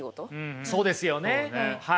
そうですよねはい。